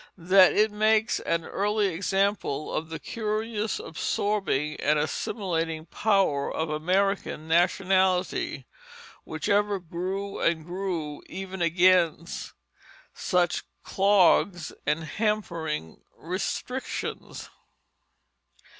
that it makes an early example of the curious absorbing and assimilating power of American nationality, which ever grew and grew even against such clogs and hampering restrictions.